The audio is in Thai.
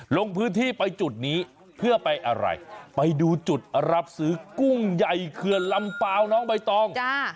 ลงพื้นที่ไปจุดนี้เพื่อไปอะไรไปดูจุดรับซื้อกุ้งใหญ่เขื่อนลำเปล่าน้องใบตอง